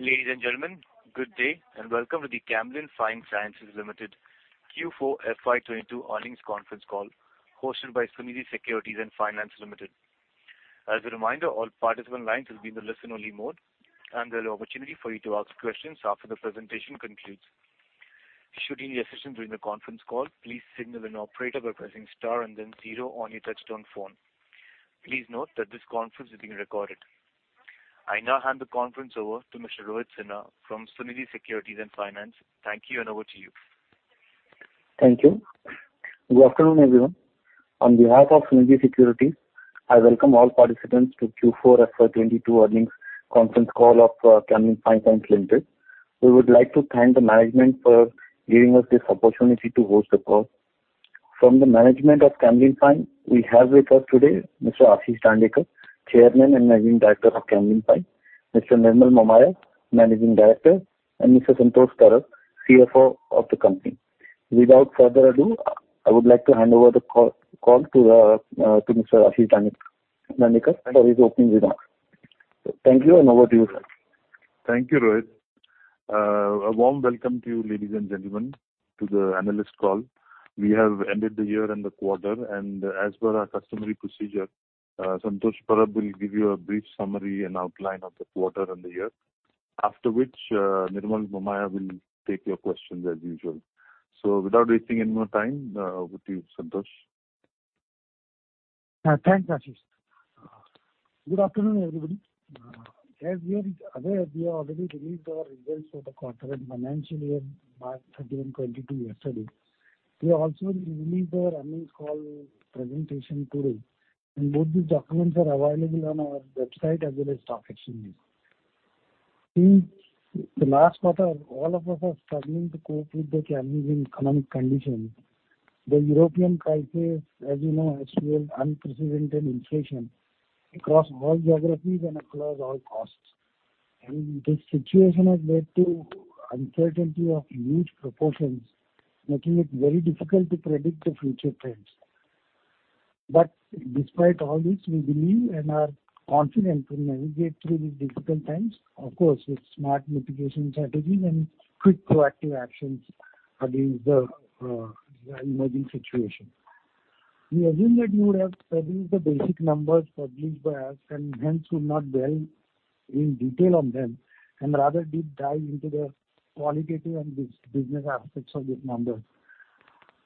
Ladies and gentlemen, good day and welcome to the Camlin Fine Sciences Limited Q4 FY22 earnings conference call hosted by Sunidhi Securities and Finance Limited. As a reminder, all participant lines will be in the listen-only mode, and there'll be opportunity for you to ask questions after the presentation concludes. Should you need assistance during the conference call, please signal an operator by pressing star and then zero on your touchtone phone. Please note that this conference is being recorded. I now hand the conference over to Mr. Rohit Sinha from Sunidhi Securities and Finance. Thank you, and over to you. Thank you. Good afternoon, everyone. On behalf of Sunidhi Securities, I welcome all participants to Q4 FY22 earnings conference call of Camlin Fine Sciences Limited. We would like to thank the management for giving us this opportunity to host the call. From the management of Camlin Fine, we have with us today Mr. Ashish Dandekar, Chairman and Managing Director of Camlin Fine, Mr. Nirmal Momaya, Managing Director, and Mr. Santosh Parab, CFO of the company. Without further ado, I would like to hand over the call to Mr. Ashish Dandekar for his opening remarks. Thank you, and over to you, sir. Thank you, Rohit. A warm welcome to you, ladies and gentlemen, to the analyst call. We have ended the year and the quarter, and as per our customary procedure, Santosh Parab will give you a brief summary and outline of the quarter and the year. After which, Nirmal Momaya will take your questions as usual. Without wasting any more time, over to you, Santosh. Thanks, Ashish. Good afternoon, everybody. As you are aware, we have already released our results for the quarter and financial year March 13, 2022 yesterday. We also released our earnings call presentation today, and both these documents are available on our website as well as stock exchanges. In the last quarter, all of us are struggling to cope with the challenging economic conditions. The European crisis, as you know, has fueled unprecedented inflation across all geographies and across all costs. This situation has led to uncertainty of huge proportions, making it very difficult to predict the future trends. Despite all this, we believe and are confident to navigate through these difficult times, of course, with smart mitigation strategies and quick proactive actions against the emerging situation. We assume that you would have studied the basic numbers published by us and hence will not dwell in detail on them, and rather deep dive into the qualitative and business aspects of these numbers.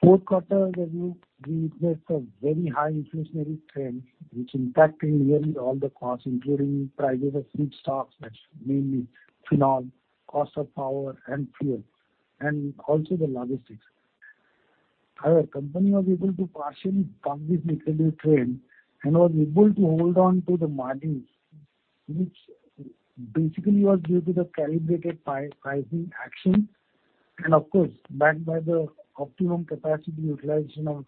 Fourth quarter review, we witnessed a very high inflationary trend which impacting nearly all the costs, including prices of feedstock, that's mainly phenol, cost of power and fuel, and also the logistics. Our company was able to partially tamp this inflationary trend and was able to hold on to the margins, which basically was due to the calibrated pricing action and, of course, backed by the optimum capacity utilization of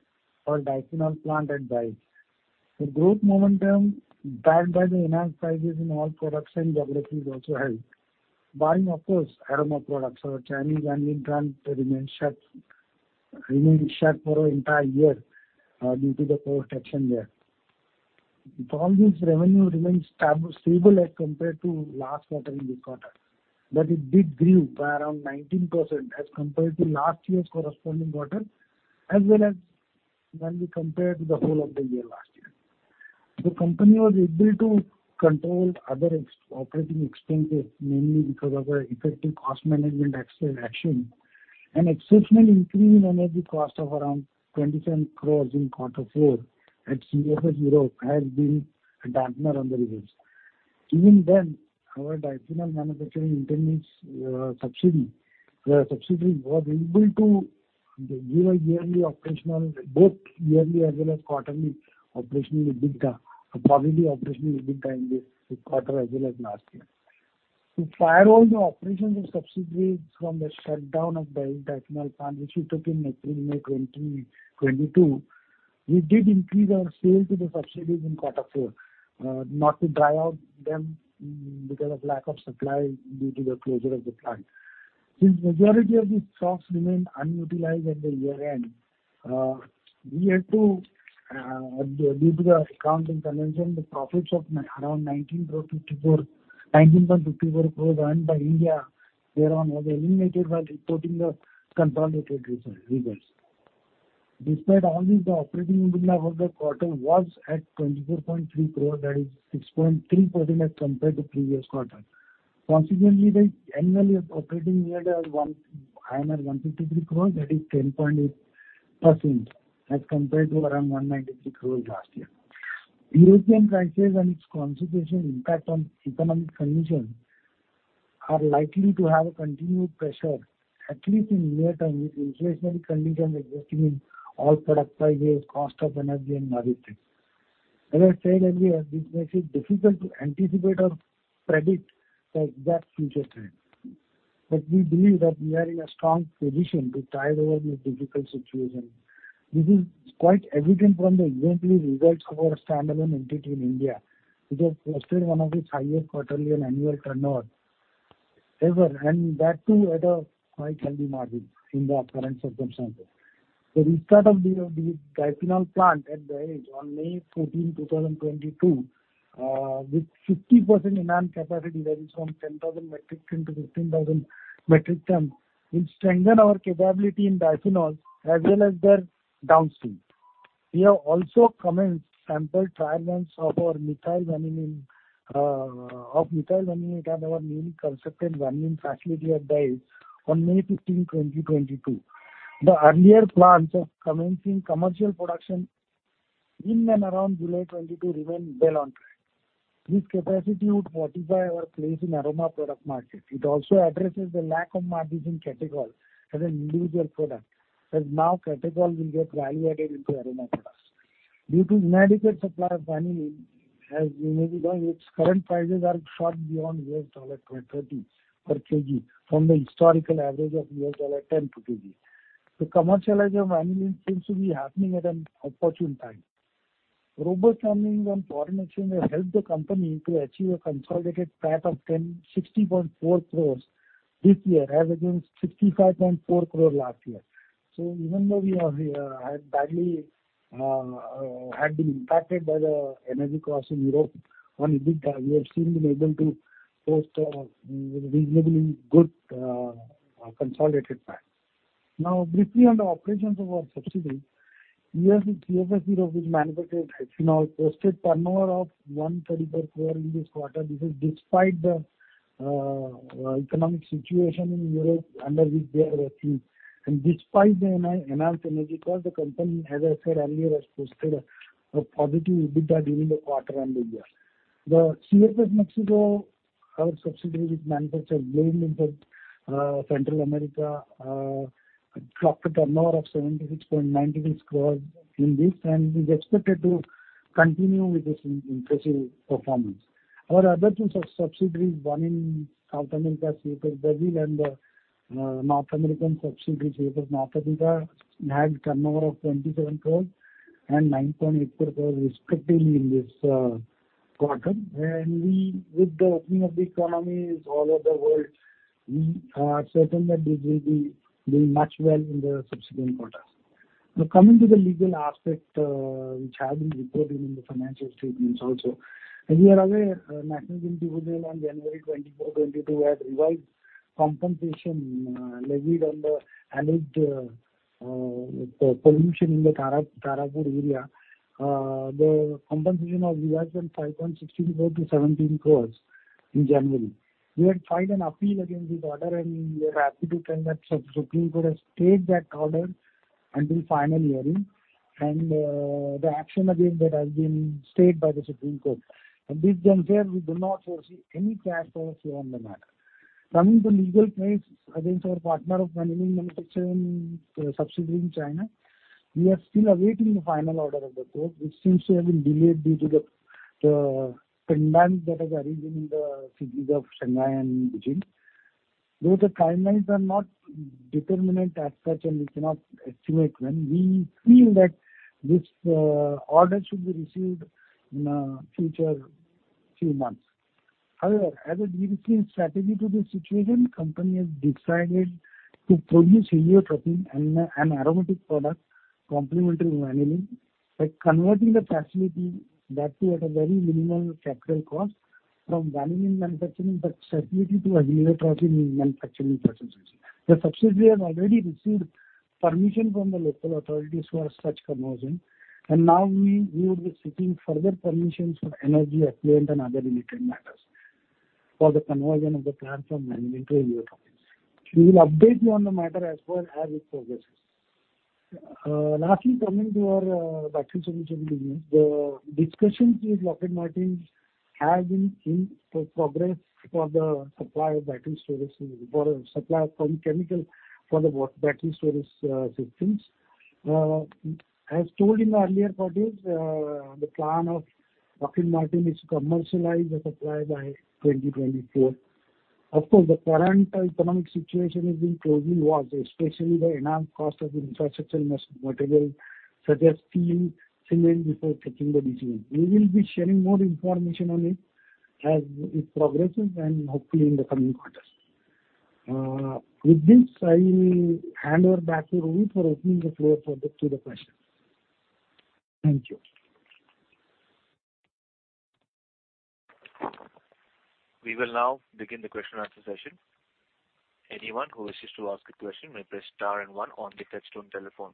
our diphenol plant at Dahej. The growth momentum backed by the enhanced prices in all products and geographies also helped. Barring, of course, aroma products. Our Chinese vanillin plant remained shut for an entire year due to the COVID action there. The performance revenue remains stable as compared to last quarter in this quarter, but it did grew by around 19% as compared to last year's corresponding quarter, as well as when we compare to the whole of the year last year. The company was able to control other operating expenses, mainly because of our effective cost management action. An exceptional increase in energy cost of around 27 crores in quarter four at CFS Europe has been a dampener on the results. Even then, our diphenol manufacturing intermediates subsidiary was able to give both yearly as well as quarterly operational EBITDA, a positive operational EBITDA in the quarter as well as last year. To firewall the operations of subsidiaries from the shutdown of the diphenol plant, which we took in April-May 2022, we did increase our sales to the subsidiaries in quarter four, not to dry out them because of lack of supply due to the closure of the plant. Since majority of the stocks remained unutilized at the year-end, we had to, due to the accounting convention, the profits of around 19.54 crores earned by India thereon was eliminated while reporting the consolidated results. Despite all this, the operating EBITDA for the quarter was at 24.3 crores, that is 6.3% as compared to previous quarter. Consequently, the annual operating EBITDA was 153 crores, that is 10.8% as compared to around 193 crores last year. European crisis and its consequential impact on economic conditions are likely to have a continued pressure, at least in near term, with inflationary conditions existing in all product prices, cost of energy and logistics. As I said earlier, this makes it difficult to anticipate or predict the exact future trend. We believe that we are in a strong position to tide over this difficult situation. This is quite evident from the exemplary results of our standalone entity in India, which has posted one of its highest quarterly and annual turnover ever, and that too at a high margin in the current circumstances. The restart of the diphenol plant at Dahej on May 14, 2022, with 60% enhanced capacity, that is from 10,000 metric tons to 15,000 metric tons, will strengthen our capability in diphenol as well as their downstream. We have also commenced sample trial runs of our methyl vanillin at our newly constructed vanillin facility at Dahej on May 15, 2022. The earlier plans of commencing commercial production in and around July 2022 remain well on track. This capacity would fortify our place in aroma products market. It also addresses the lack of margins in catechol as an individual product, as now catechol will get value added into aroma products. Due to inadequate supply of vanillin, as you may be knowing, its current prices are sharp beyond $20 per kg from the historical average of $10 per kg. The commercialization of vanillin seems to be happening at an opportune time. Robust earnings and foreign exchange have helped the company to achieve a consolidated PAT of INR ten. 60.4 crore this year as against 65.4 crore last year. Even though we had been badly impacted by the energy costs in Europe on EBITDA, we have still been able to post a reasonably good consolidated PAT. Now briefly on the operations of our subsidiaries. CFS Europe, which manufactures diphenol, posted turnover of 134 crore in this quarter. This is despite the economic situation in Europe under which they operate. Despite the enhanced energy cost, the company, as I said earlier, has posted a positive EBITDA during the quarter and the year. CFS Mexico, our subsidiary which manufactures blends in Central America, clocked a turnover of 76.96 crore in this and is expected to continue with this impressive performance. Our other two sub-subsidiaries, one in South America, CFS Brazil, and North American subsidiary, CFS North America, had turnover of 27 crore and 9.8 crore respectively in this quarter. With the opening of the economies all over the world, we are certain that this will be doing much well in the subsequent quarters. Now coming to the legal aspect, which has been reported in the financial statements also. As you are aware, National Green Tribunal on January 24, 2022, had revised compensation levied on the alleged pollution in the Tarapur area. The compensation was revised from 5.64 crore to 17 crores in January. We had filed an appeal against this order, and we are happy to confirm that Supreme Court has stayed that order until final hearing and the action against it has been stayed by the Supreme Court. At this juncture, we do not foresee any cash outflow on the matter. Coming to legal case against our partner of vanillin manufacturing subsidiary in China, we are still awaiting the final order of the court, which seems to have been delayed due to the pandemic that has arisen in the cities of Shanghai and Beijing. Though the timelines are not determinant as such and we cannot estimate when, we feel that this order should be received in a future few months. However, as a strategic response to this situation, the company has decided to produce heliotropin, an aromatic product complementary to vanillin, by converting the facility back, at a very minimal capital cost from vanillin manufacturing facility to a heliotropin manufacturing facility. The subsidiary has already received permission from the local authorities for such conversion, and now we would be seeking further permissions for energy, effluent and other related matters for the conversion of the plant from vanillin to heliotropin. We will update you on the matter as it progresses. Lastly, coming to our battery storage business. The discussions with Lockheed Martin have been in progress for the supply of chemicals for the battery storage systems. As told in the earlier quarters, the plan of Lockheed Martin is to commercialize the supply by 2024. Of course, the current economic situation is being closely watched, especially the enhanced cost of infrastructure material, suggesting delaying before taking the decision. We will be sharing more information on it as it progresses and hopefully in the coming quarters. With this, I will hand over back to Rohit for opening the floor to the questions. Thank you. We will now begin the question and answer session. Anyone who wishes to ask a question may press star and one on the touchtone telephone.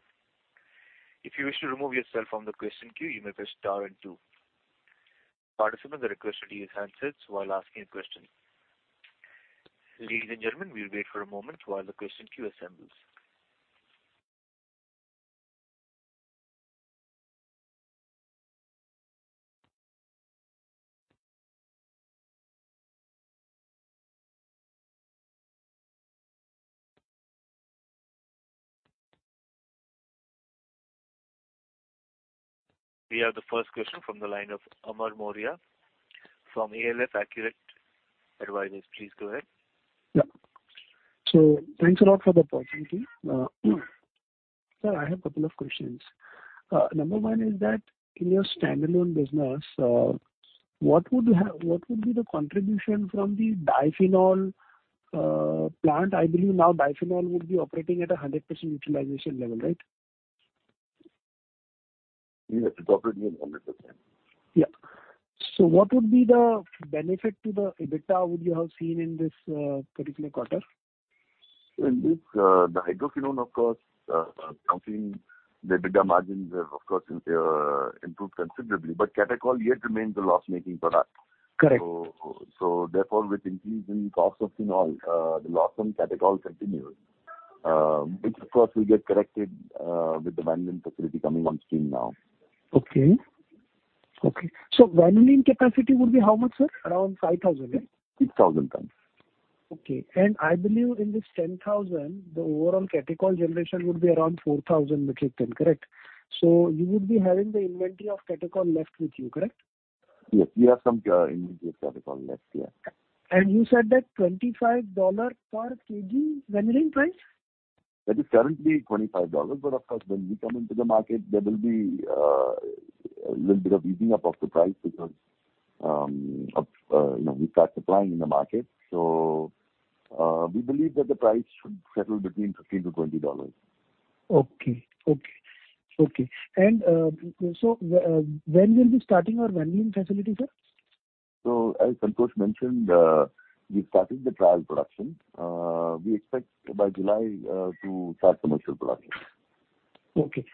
If you wish to remove yourself from the question queue, you may press star and two. Participants are requested to use handsets while asking a question. Ladies and gentlemen, we'll wait for a moment while the question queue assembles. We have the first question from the line of Amar Mourya from AlfAccurate Advisors. Please go ahead. Thanks a lot for the opportunity. Sir, I have a couple of questions. Number one is that in your standalone business, what would be the contribution from the diphenol plant? I believe now diphenol would be operating at 100% utilization level, right? Yes, it's operating at 100%. Yeah. What would be the benefit to the EBITDA would you have seen in this particular quarter? In this, the hydroquinone, of course, so the EBITDA margins have, of course, improved considerably. Catechol yet remains a loss-making product. Correct. Therefore, with increase in cost of phenol, the loss on catechol continues, which of course will get corrected with the vanillin facility coming on stream now. Okay. Vanillin capacity would be how much, sir? Around 5,000, right? 10,000 tons. Okay. I believe in this 10,000, the overall Catechol generation would be around 4,000 metric ton. Correct? You would be having the inventory of Catechol left with you, correct? Yes. We have some inventory of Catechol left, yeah. You said that $25 per kg vanillin price? That is currently $25. Of course, when we come into the market there will be a little bit of easing up of the price because of you know we start supplying in the market. We believe that the price should settle between $15-$20. Okay, when will you be starting your vanillin facility, sir? As Santosh mentioned, we're starting the trial production. We expect by July to start commercial production. Okay.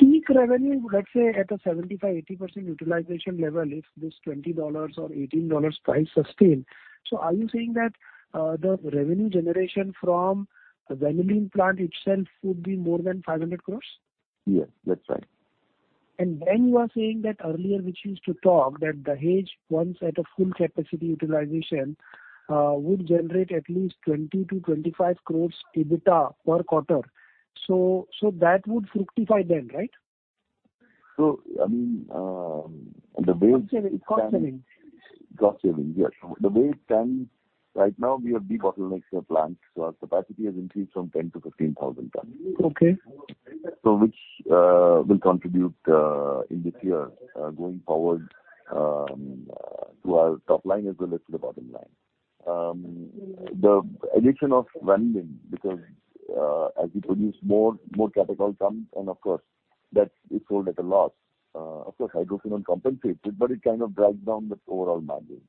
Peak revenue, let's say at a 75%-80% utilization level, if this $20 or $18 price sustain. Are you saying that the revenue generation from the vanillin plant itself would be more than 500 crore? Yes, that's right. You are saying that earlier we used to talk that the hedge once at a full capacity utilization would generate at least 20 crore-25 crore EBITDA per quarter. That would fructify then, right? I mean, the way it stands. Cost saving. Cost saving, yes. The way it stands right now, we have debottlenecked our plants, so our capacity has increased from 10 to 15,000 tons. Okay. Which will contribute in this year going forward to our top line as well as to the bottom line. The addition of vanillin because as we produce more catechol comes and of course it's sold at a loss. Of course hydroquinone compensates it, but it kind of drags down the overall margins.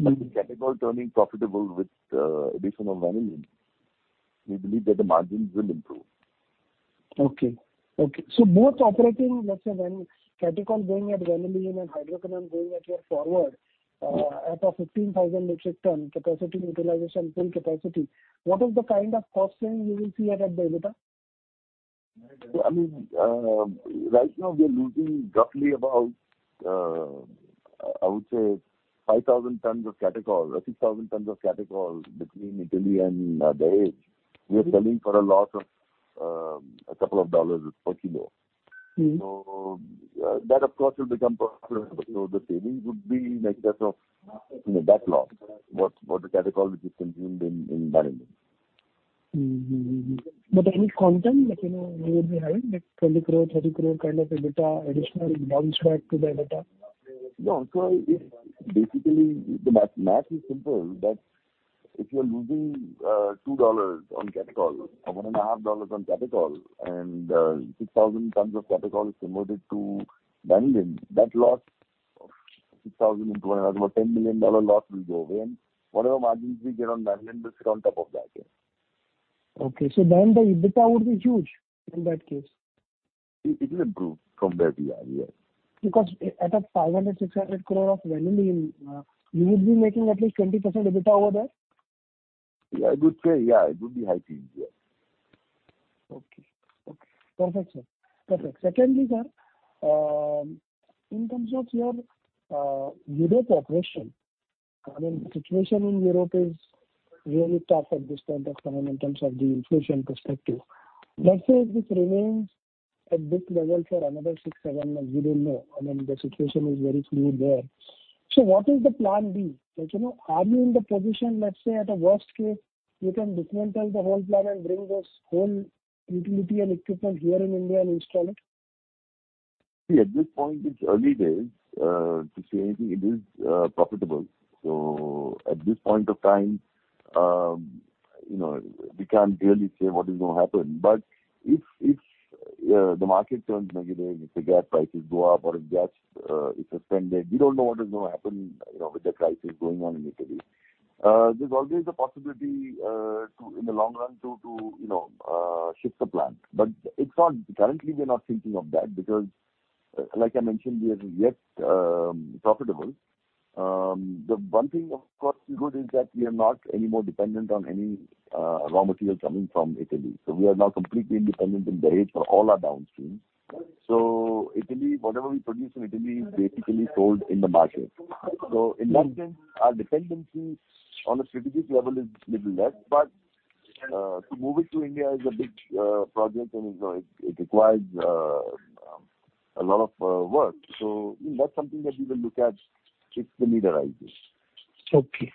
Mm-hmm. With Catechol turning profitable with addition of Vanillin, we believe that the margins will improve. Both operating, let's say when catechol going at vanillin and hydroquinone going at your forward at a 15,000 metric ton capacity utilization, full capacity, what is the kind of cost saving you will see at that EBITDA? I mean, right now we are losing roughly about, I would say 5,000 tons of Catechol or 6,000 tons of Catechol between Italy and Dahej. Mm-hmm. We are selling for a loss of a couple of dollars per kilo. Mm-hmm. That of course will become profitable. The saving would be in excess of, you know, that loss. What the catechol which is consumed in vanillin. Any quantum that, you know, you would be having like 20 crore, 30 crore kind of EBITDA, additional bounce back to the EBITDA? No. If basically the math is simple, that if you are losing $2 on catechol or $1.5 on catechol and 6,000 tons of catechol is converted to vanillin, that loss of 6,000 into $10 million loss will go away. Whatever margins we get on vanillin will sit on top of that, yeah. Okay. The EBITDA would be huge in that case. It will improve from that year, yes. Because at 500-600 crore of vanillin, you would be making at least 20% EBITDA over there. Yeah, I would say it would be high teens. Yes. Okay. Perfect, sir. Secondly, sir, in terms of your Europe operation, I mean, situation in Europe is really tough at this point of time in terms of the inflation perspective. Let's say if it remains at this level for another 6, 7 months, we don't know. I mean, the situation is very fluid there. What is the plan B? Like, you know, are you in the position, let's say at a worst case, you can dismantle the whole plant and bring this whole utility and equipment here in India and install it? See, at this point, it's early days to say anything. It is profitable. At this point of time, you know, we can't really say what is going to happen. If the market turns negative, if the gas prices go up or if gas is suspended, we don't know what is going to happen, you know, with the crisis going on in Italy. There's always a possibility in the long run to you know shift the plant. It's not currently we are not thinking of that because like I mentioned, we are as yet profitable. The one thing of course is good that we are not anymore dependent on any raw material coming from Italy. We are now completely independent in Dahej for all our downstreams. In Italy, whatever we produce in Italy is basically sold in the market. Mm-hmm. In that sense, our dependency on a strategic level is little less. To move it to India is a big project and, you know, it requires a lot of work. That's something that we will look at if the need arises. Okay.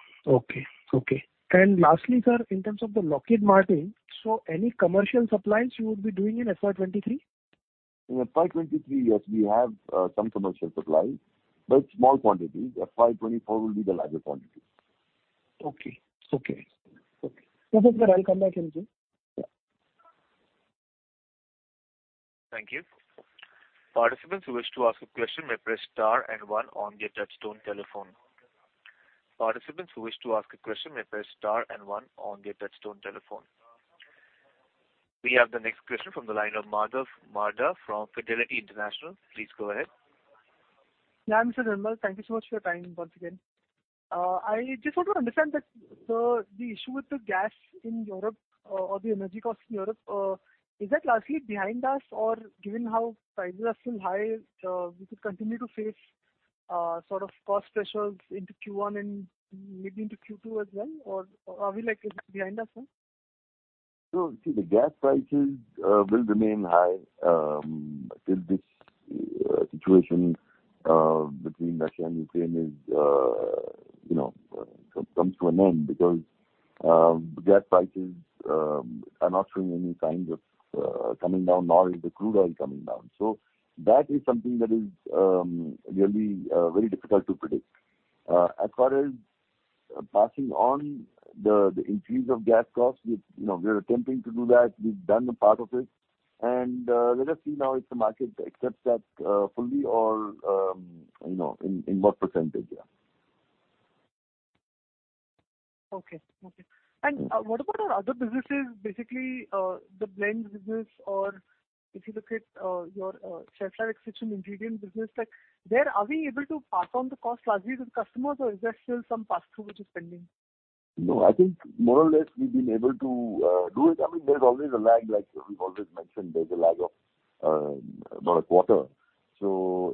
Lastly, sir, in terms of the Lockheed Martin, so any commercial supplies you would be doing in FY23? In FY23, yes, we have some commercial supplies, but small quantities. FY24 will be the larger quantity. Okay. Perfect, sir. I'll come back in due. Yeah. Thank you. Participants who wish to ask a question may press star and one on their touchtone telephone. We have the next question from the line of Madhav Marda from Fidelity International. Please go ahead. Yeah. Mr. Nirmal Momaya, thank you so much for your time once again. I just want to understand that the issue with the gas in Europe or the energy costs in Europe, is that largely behind us or given how prices are still high, we could continue to face sort of cost pressures into Q1 and maybe into Q2 as well? Or are we like behind us, sir? The gas prices will remain high till this situation between Russia and Ukraine is, you know, comes to an end because gas prices are not showing any signs of coming down, nor is the crude oil coming down. That is something that is really very difficult to predict. As far as passing on the increase of gas costs, we, you know, we are attempting to do that. We've done a part of it. Let us see now if the market accepts that fully or, you know, in what percentage, yeah. What about our other businesses, basically, the blend business or if you look at your Shelf Life kitchen ingredient business, like are we able to pass on the cost largely to the customers or is there still some pass through which is pending? No, I think more or less we've been able to do it. I mean, there's always a lag. Like we've always mentioned, there's a lag of about a quarter.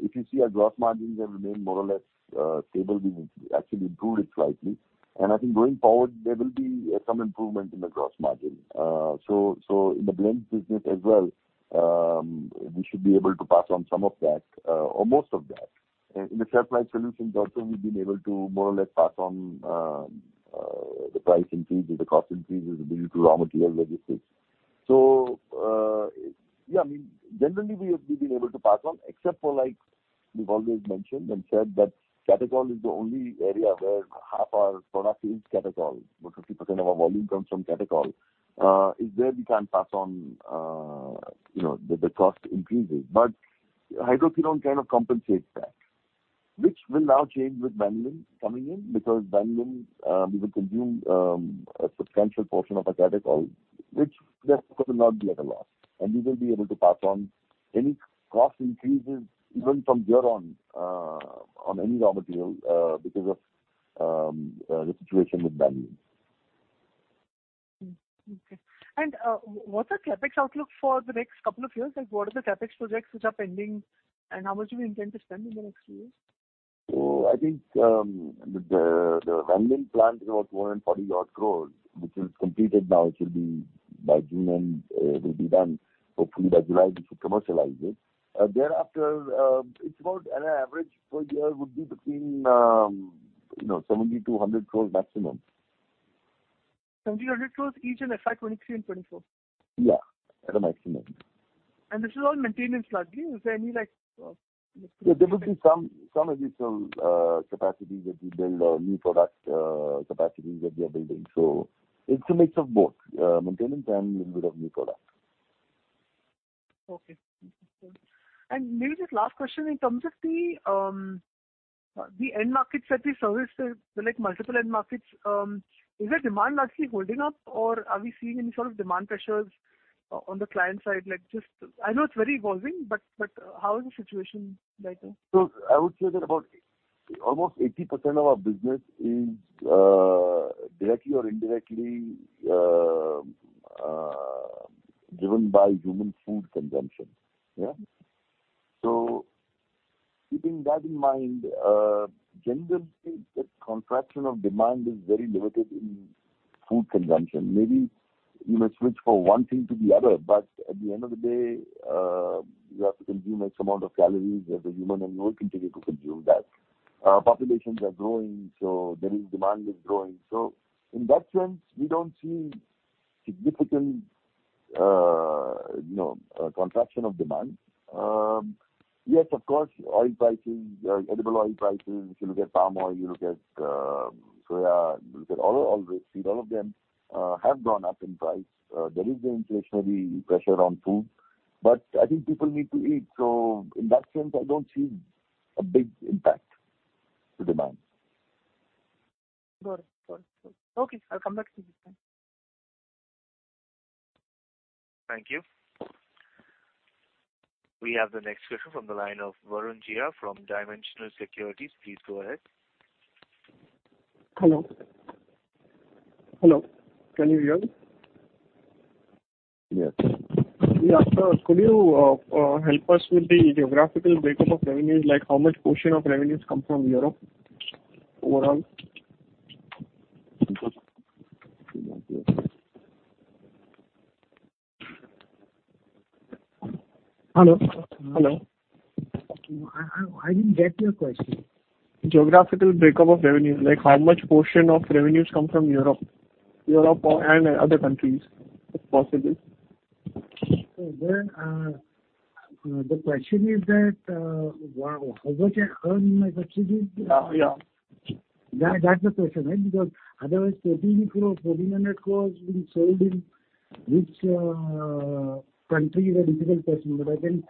If you see our gross margins have remained more or less stable. We've actually improved it slightly. I think going forward there will be some improvement in the gross margin. In the blend business as well, we should be able to pass on some of that or most of that. In the Shelf Life Solutions also we've been able to more or less pass on the price increases, the cost increases due to raw material prices. Yeah, I mean, generally we have been able to pass on except for like we've always mentioned and said that catechol is the only area where half our product is catechol. About 50% of our volume comes from catechol. Areas we can pass on, you know, the cost increases. Hydroquinone kind of compensates that which will now change with vanillin coming in because vanillin will consume a substantial portion of our catechol which therefore will not be at a loss. We will be able to pass on any cost increases even from thereon on any raw material because of the situation with vanillin. Okay. What's our CapEx outlook for the next couple of years? Like, what are the CapEx projects which are pending and how much do we intend to spend in the next few years? I think the vanillin plant is about more than 40-odd crores, which is completed now. It will be by June end, it will be done. Hopefully by July we should commercialize it. Thereafter, it's about at an average per year would be between, you know, 70-100 crores maximum. 70 crore-100 crore each in FY23 and FY24? Yeah, at a maximum. This is all maintenance largely. Is there any like There will be some additional capacity that we build, new product capacity that we are building. It's a mix of both, maintenance and little bit of new product. Okay. Maybe just last question. In terms of the end markets that we service, there are like multiple end markets. Is there demand largely holding up or are we seeing any sort of demand pressures on the client side? Like, just I know it's very evolving, but how is the situation right now? I would say that about almost 80% of our business is directly or indirectly driven by human food consumption. Yeah. Keeping that in mind, generally the contraction of demand is very limited in food consumption. Maybe you may switch for one thing to the other, but at the end of the day, you have to consume some amount of calories as a human, and you will continue to consume that. Populations are growing, so demand is growing. In that sense, we don't see significant, you know, contraction of demand. Yes, of course, oil prices, edible oil prices, if you look at palm oil, you look at soya, you look at all the seeds, all of them have gone up in price. There is the inflationary pressure on food, but I think people need to eat. In that sense, I don't see a big impact to demand. Got it. Okay, I'll come back to you then. Thank you. We have the next question from the line of Varun Jain from Dimensional Securities. Please go ahead. Hello? Hello? Can you hear me? Yes. Yeah. Could you help us with the geographical breakup of revenues, like how much portion of revenues come from Europe overall? Hello? Hello. I didn't get your question. Geographical breakup of revenue. Like, how much portion of revenues come from Europe and other countries, if possible. The question is that how much I earn my subsidies? Yeah. That's the question, right? Because otherwise 14 crore net cost we sold in which country is a difficult question. I can share.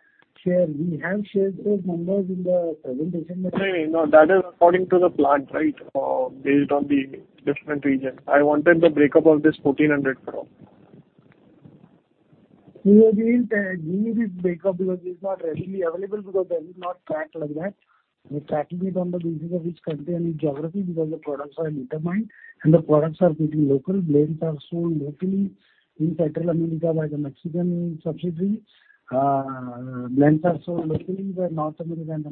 We have shared those numbers in the presentation. No, no, that is according to the plant, right? Or based on the different region. I wanted the breakup of this 1,400 crore. We are giving you this breakup because it's not readily available because that is not tracked like that. We're tracking it on the basis of which country and geography, because the products are intermingled and the products are pretty local. Blends are sold locally in Central America by the Mexican subsidiary. Blends are sold locally in North America. The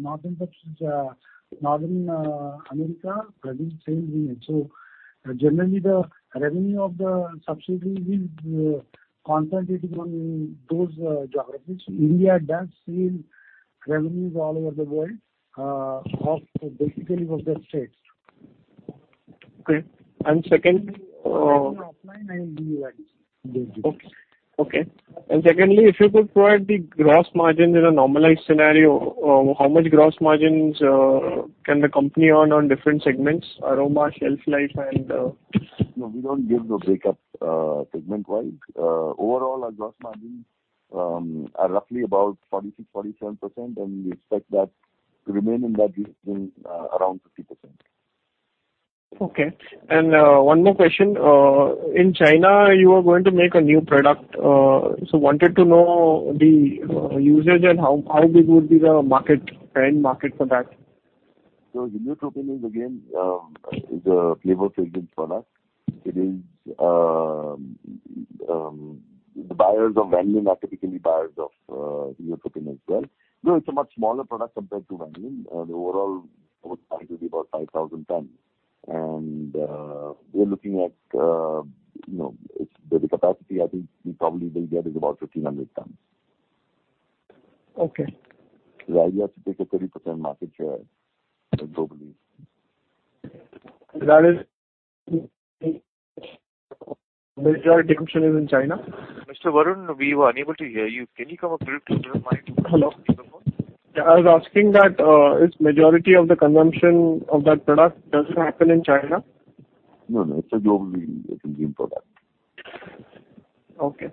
North American subsidiary produces the same unit. Generally, the revenue of the subsidiary will concentrate on those geographies. India does sell revenues all over the world, basically to the States. Okay. Secondly, I will offline and give you that. Okay. Secondly, if you could provide the gross margin in a normalized scenario, how much gross margins can the company earn on different segments, Aroma, Shelf Life and No, we don't give the breakdown, segment-wide. Overall, our gross margins are roughly about 46%-47%, and we expect that to remain in that region, around 50%. Okay. One more question. In China, you are going to make a new product. Wanted to know the usage and how big would be the market, end market for that. Heliotropin is again a flavor-based product. The buyers of vanillin are typically buyers of Heliotropin as well. No, it's a much smaller product compared to vanillin. The overall size will be about 5,000 tons. We're looking at, you know, it's the capacity I think we probably will get is about 1,500 tons. Okay. The idea is to take a 30% market share globally. Majority consumption is in China? Mr. Varun, we were unable to hear you. Can you come up a little closer to the mic and talk to the phone? I was asking that, is majority of the consumption of that product, does it happen in China? No, no, it's a globally. It's a green product. Okay.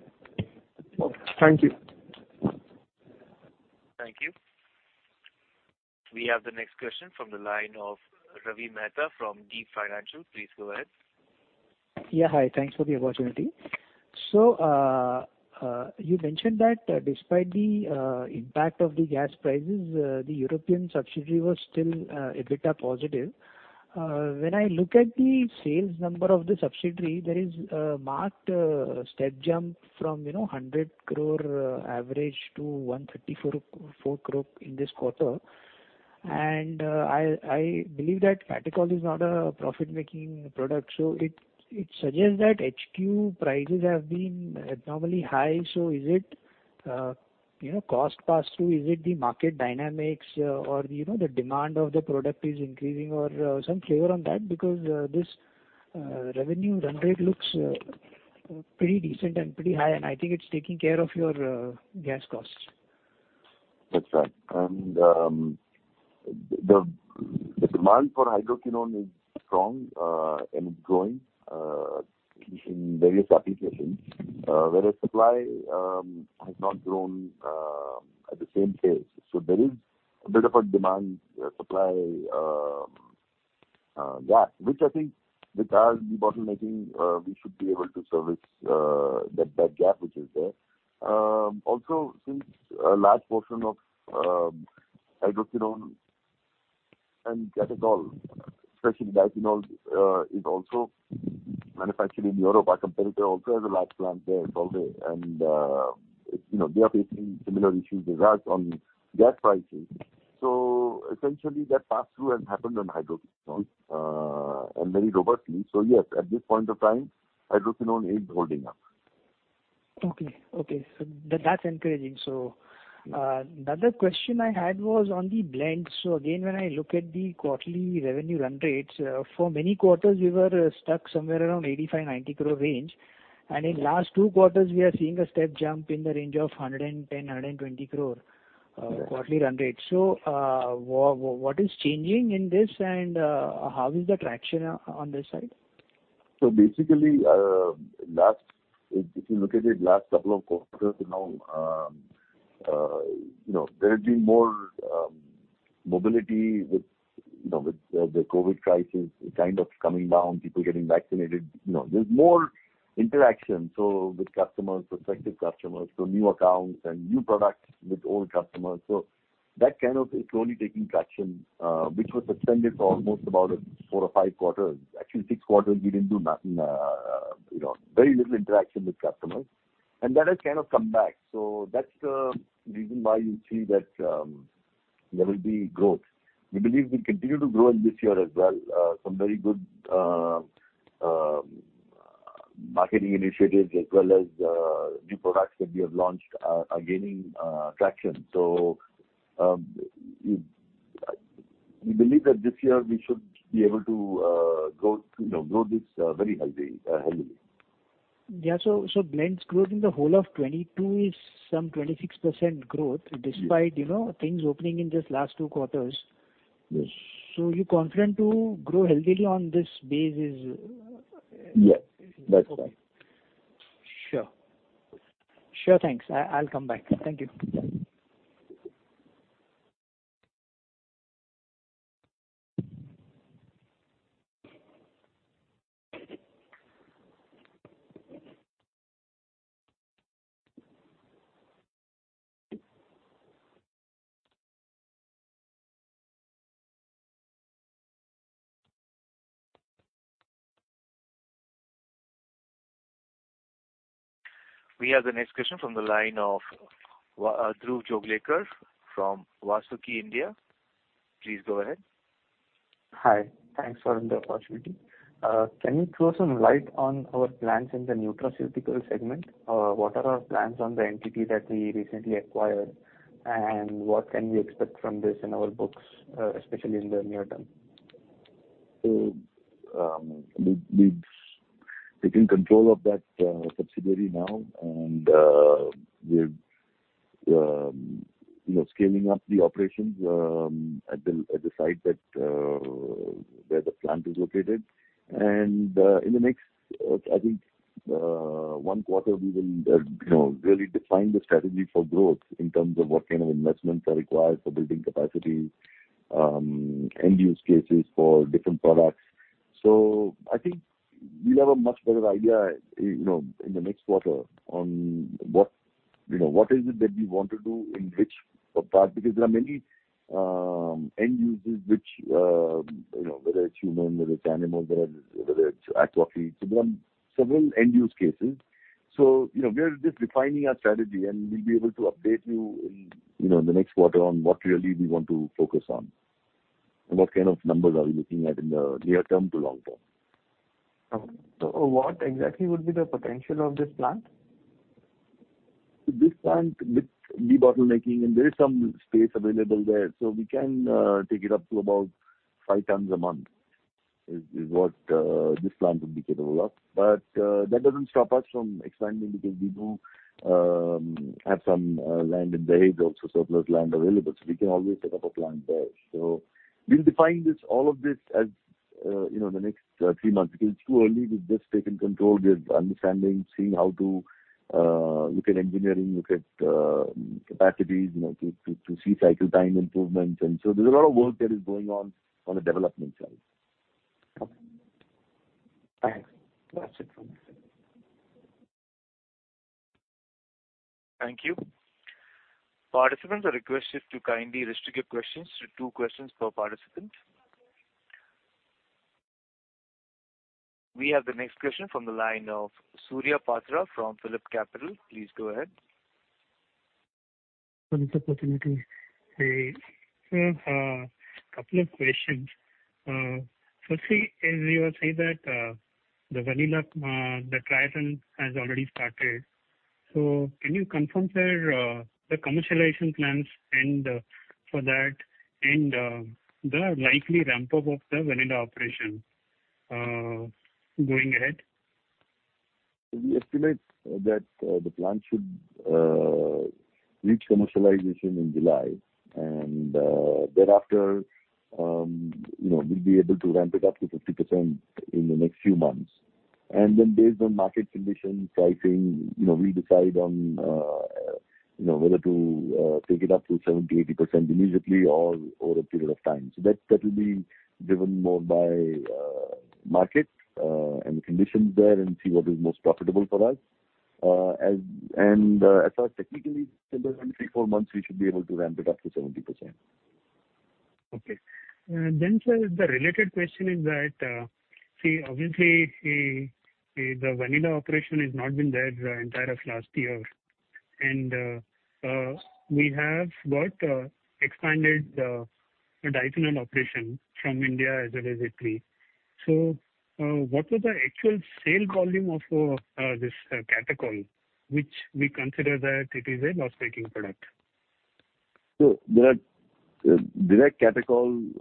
Thank you. Thank you. We have the next question from the line of Ravi Mehta from Deep Financial. Please go ahead. Yeah, hi. Thanks for the opportunity. You mentioned that despite the impact of the gas prices, the European subsidiary was still EBITDA positive. When I look at the sales number of the subsidiary, there is a marked step jump from, you know, 100 crore average to 134.4 crore in this quarter. I believe that Catechol is not a profit-making product, so it suggests that HQ prices have been abnormally high. Is it cost pass-through? Is it the market dynamics or, you know, the demand of the product is increasing or some flavor on that because this revenue run rate looks pretty decent and pretty high, and I think it's taking care of your gas costs. That's right. The demand for hydroquinone is strong, and it's growing in various applications, whereas supply has not grown at the same pace. There is a bit of a demand-supply gap, which I think with our debottlenecking we should be able to service that gap which is there. Also, since a large portion of hydroquinone and catechol, especially hydroquinone, is also manufactured in Europe. Our competitor also has a large plant there in Norway, and it's, you know, they are facing similar issues as us on gas prices. Essentially that pass-through has happened on hydroquinone and very robustly. Yes, at this point of time, hydroquinone is holding up. Okay, that's encouraging. The other question I had was on the blends. Again, when I look at the quarterly revenue run rates, for many quarters, we were stuck somewhere around 85-90 crore. In last two quarters, we are seeing a step jump in the range of 110-120 crore quarterly run rate. What is changing in this and how is the traction on this side? Basically, if you look at it, last couple of quarters, you know, there has been more mobility with, you know, with the COVID crisis kind of coming down, people getting vaccinated. You know, there's more interaction with customers, prospective customers, so new accounts and new products with old customers. That kind of is slowly taking traction, which was suspended for almost about four or five quarters. Actually six quarters we didn't do nothing, very little interaction with customers. That has kind of come back. That's the reason why you see that there will be growth. We believe we continue to grow in this year as well. Some very good marketing initiatives as well as new products that we have launched are gaining traction. We believe that this year we should be able to, you know, grow this very healthily. Blends growth in the whole of 2022 is some 26% growth. Yes. Despite, you know, things opening in just the last two quarters. Yes. You're confident to grow healthily on this base is. Yes, that's right. Okay. Sure. Sure, thanks. I'll come back. Thank you. Yeah. We have the next question from the line of Dhruv Joglekar from Vasuki India. Please go ahead. Hi, thanks for the opportunity. Can you throw some light on our plans in the nutraceutical segment? What are our plans on the entity that we recently acquired, and what can we expect from this in our books, especially in the near term? We've taken control of that subsidiary now and we're, you know, scaling up the operations at the site that, where the plant is located. In the next, I think, one quarter we will, you know, really define the strategy for growth in terms of what kind of investments are required for building capacity, end use cases for different products. I think we'll have a much better idea, you know, in the next quarter on what, you know, what is it that we want to do in which part. Because there are many end users which, you know, whether it's human, whether it's animals, whether it's aquafeed. There are several end use cases. you know, we are just refining our strategy, and we'll be able to update you in, you know, in the next quarter on what really we want to focus on and what kind of numbers are we looking at in the near term to long term. Okay. What exactly would be the potential of this plant? This plant with debottlenecking, and there is some space available there, so we can take it up to about five times a month, is what this plant would be capable of. That doesn't stop us from expanding because we do have some land in Dahej, also surplus land available, so we can always set up a plant there. We'll define this, all of this as you know, in the next three months because it's too early. We've just taken control. We're understanding, seeing how to look at engineering, look at capacities, you know, to see cycle time improvements. There's a lot of work that is going on the development side. Okay. Thanks. That's it from my side. Thank you. Participants are requested to kindly restrict your questions to two questions per participant. We have the next question from the line of Surya Patra from PhillipCapital. Please go ahead. Thanks for the opportunity. Hey, couple of questions. Firstly, as you were saying that, the vanillin, the ethyl vanillin has already started, so can you confirm, sir, the commercialization plans and for that and the likely ramp up of the vanillin operation, going ahead? We estimate that the plant should reach commercialization in July and thereafter you know we'll be able to ramp it up to 50% in the next few months. Based on market conditions, pricing, you know, we decide on you know whether to take it up to 70%-80% immediately or over a period of time. That will be driven more by market and the conditions there and see what is most profitable for us. As far as technically concerned, 3-4 months we should be able to ramp it up to 70%. Okay. Sir, the related question is that, see obviously the vanillin operation has not been there the entire of last year. We have got expanded Diphenol operation from India as well as Italy. What was the actual sale volume of this catechol, which we consider that it is a loss-making product? Direct catechol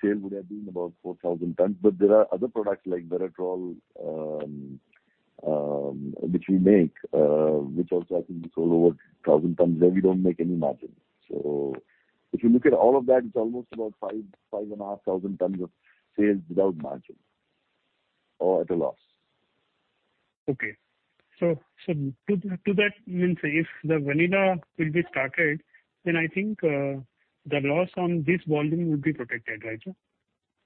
sale would have been about 4,000 tons. There are other products like Veratrole, which we make, which also I think we sold over 1,000 tons there. We don't make any margin. If you look at all of that, it's almost about 5,500 tons of sales without margin or at a loss. That means if the vanillin will be started, then I think the loss on this volume would be protected, right, sir?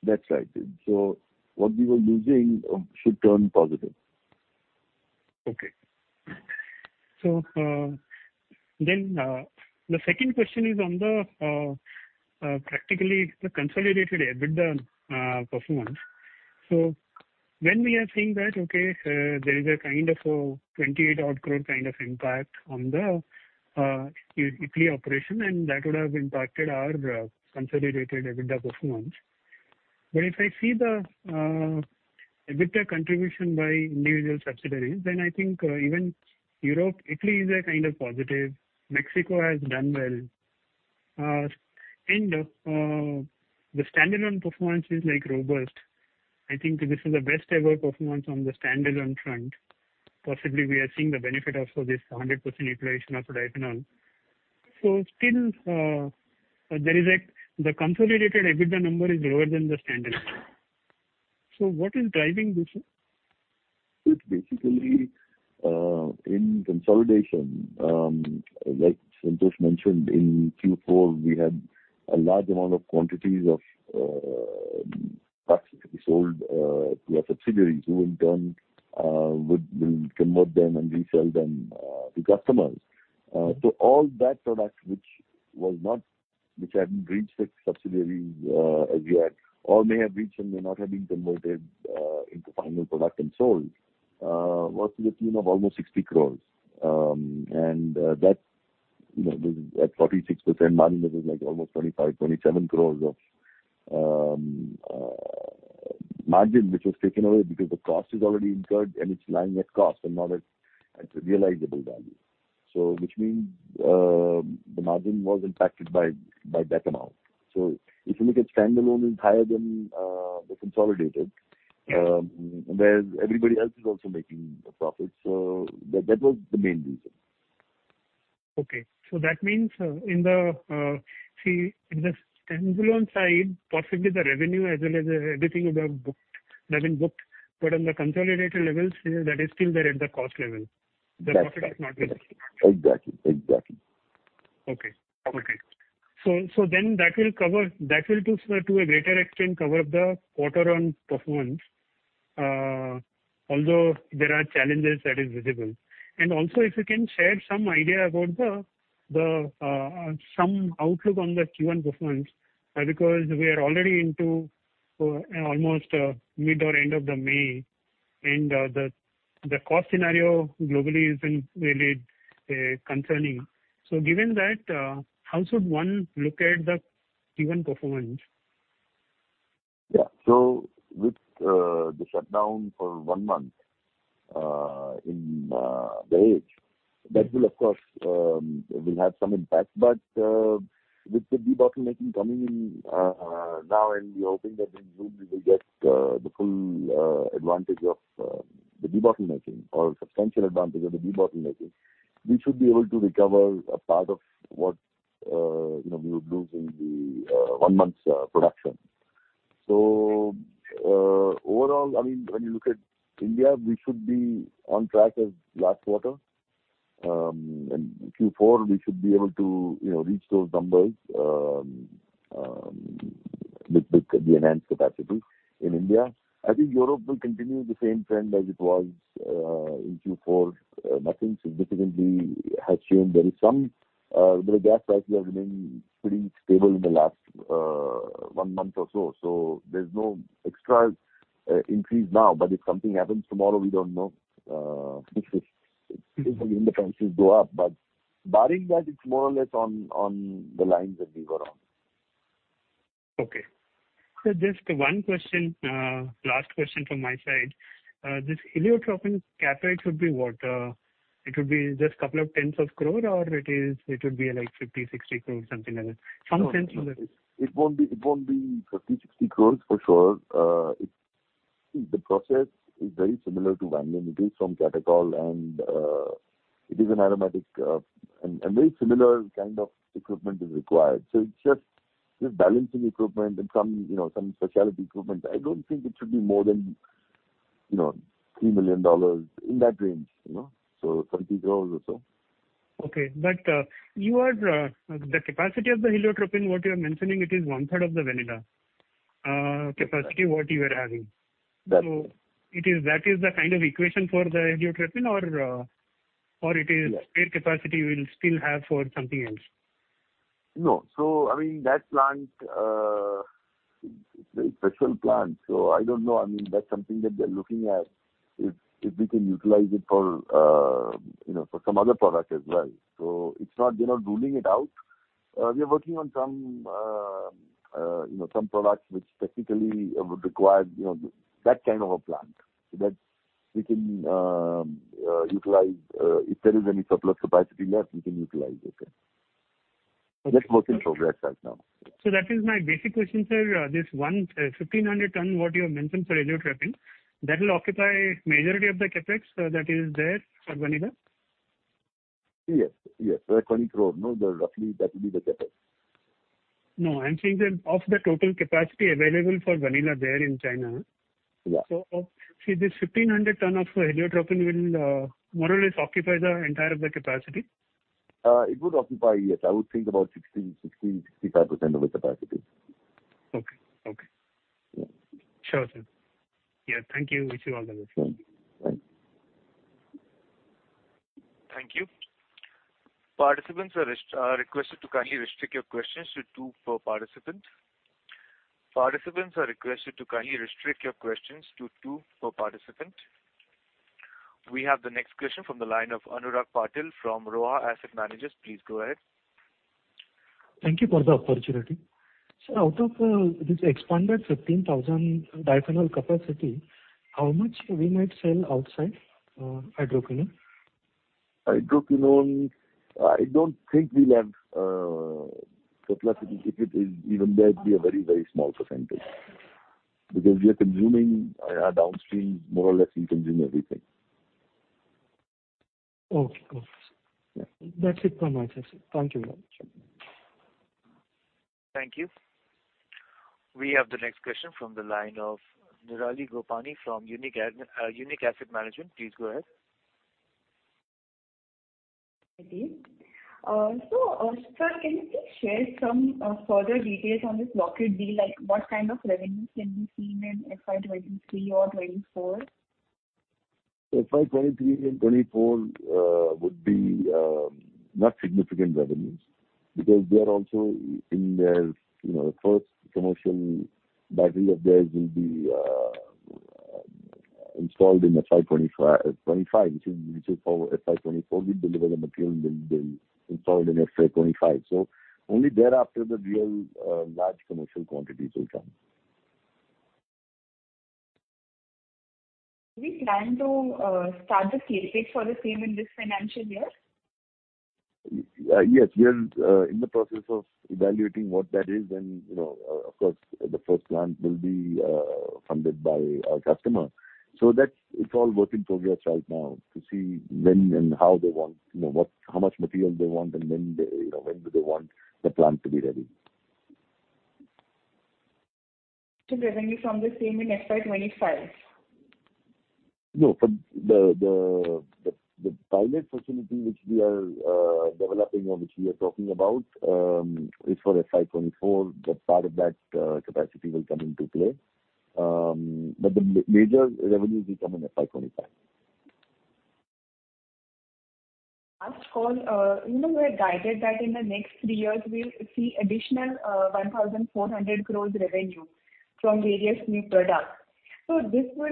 That's right. What we were losing should turn positive. Okay, the second question is on the practically the consolidated EBITDA performance. When we are seeing that, there is a kind of a 28 crore kind of impact on the Italy operation, and that would have impacted our consolidated EBITDA performance. If I see the EBITDA contribution by individual subsidiaries, then I think even Europe, Italy is a kind of positive. Mexico has done well. The standalone performance is, like, robust. I think this is the best ever performance on the standalone front. Possibly we are seeing the benefit also this 100% utilization of diphenol. Still, the consolidated EBITDA number is lower than the standalone. What is driving this, sir? It's basically in consolidation, like Santosh mentioned, in Q4 we had a large amount of quantities of products to be sold to our subsidiaries, who in turn will convert them and resell them to customers. All that product which hadn't reached its subsidiaries as yet, or may have reached and may not have been converted into final product and sold was to the tune of almost 60 crore. That, you know, was at 46% margin. It was, like, almost 25-27 crore of margin which was taken away because the cost is already incurred and it's lying at cost and not at realizable value. Which means the margin was impacted by that amount. If you look at standalone is higher than the consolidated. Whereas everybody else is also making a profit. That was the main reason. Okay. That means, in the standalone side, possibly the revenue as well as everything you have booked has been booked, but on the consolidated levels, you know, that is still there at the cost level. That's right. The profit has not been seen. Exactly. Exactly. Okay. So then that will, to a greater extent, cover the quarter on performance. Although there are challenges that is visible. Also if you can share some idea about the some outlook on the Q1 performance, because we are already into almost mid or end of May, the cost scenario globally has been really concerning. Given that, how should one look at the Q1 performance? With the shutdown for one month in Dahej, that will of course have some impact. With the debottlenecking coming in now, and we are hoping that in June we will get the full advantage of the debottlenecking or substantial advantage of the debottlenecking, we should be able to recover a part of what, you know, we would lose in the one month's production. Overall, I mean, when you look at India, we should be on track as last quarter. Q4 we should be able to, you know, reach those numbers with the enhanced capacity in India. I think Europe will continue the same trend as it was in Q4. Nothing significantly has changed. There is some, you know, gas prices have remained pretty stable in the last one month or so. There's no extra increase now. If something happens tomorrow, we don't know. If the prices go up. Barring that, it's more or less on the lines that we were on. Just one question, last question from my side. This Heliotropin CapEx would be what? It would be just couple of tens of crore or it would be like 50-60 crore, something like that? No. It won't be 50-60 crores for sure. The process is very similar to vanillin. It is from catechol and it is an aromatic and very similar kind of equipment is required. It's just balancing equipment and some, you know, specialty equipment. I don't think it should be more than, you know, $3 million, in that range, you know. 30 crores or so. The capacity of the heliotropin what you are mentioning is one third of the vanillin capacity what you are having. That- It is, that is the kind of equation for the Heliotropin. Yeah. Spare capacity we'll still have for something else? No. I mean that plant, it's a special plant, so I don't know. I mean, that's something that they're looking at if we can utilize it for, you know, for some other product as well. It's not, they're not ruling it out. We are working on some, you know, products which technically would require, you know, that kind of a plant. That we can utilize if there is any surplus capacity left, we can utilize the same. That's work in progress right now. That is my basic question, sir. This one, 1,500 tons what you have mentioned for heliotropin, that will occupy majority of the CapEx, that is there for vanillin? Yes. 20 crore, no? Roughly that will be the CapEx. No, I'm saying that of the total capacity available for vanillin there in China. Yeah. See this 1,500 tons of Heliotropin will more or less occupy the entire of the capacity? It would occupy, yes. I would think about 60-65% of the capacity. Okay. Okay. Yeah. Sure, sir. Yeah. Thank you. Wish you all the best. Thank you. Thanks. Participants are requested to kindly restrict your questions to two per participant. We have the next question from the line of Anurag Patil from Roha Asset Managers. Please go ahead. Thank you for the opportunity. Out of this expanded 15,000 diphenol capacity, how much we might sell outside hydroquinone? Hydroquinone, I don't think we'll have capacity. If it is even there, it'd be a very, very small percentage. Because we are consuming our downstream. More or less we consume everything. Okay. Yeah. That's it from my side, sir. Thank you very much. Thank you. We have the next question from the line of Nirali Gopani from Unique Asset Management. Please go ahead. Okay. Sir, can you please share some further details on this Lockheed deal? Like, what kind of revenues can be seen in FY 2023 or 2024? FY23 and 24 would be not significant revenues because they are also in their first commercial battery of theirs will be installed in FY25, which is for FY24. We deliver the material and they'll install it in FY25. Only thereafter the real large commercial quantities will come. Do we plan to charge a case rate for the same in this financial year? Yes, we are in the process of evaluating what that is. You know, of course, the first plant will be funded by our customer. That's it. It's all work in progress right now to see when and how they want, you know, what, how much material they want and when they, you know, when do they want the plant to be ready. Revenue from the same in FY25. No, from the pilot facility which we are developing or which we are talking about is for FY24. That's part of that capacity will come into play. The major revenues will come in FY25. Last call, you know, we had guided that in the next three years we'll see additional 1,400 crore revenue from various new products. This will